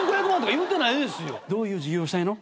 どういう事業をしたいの？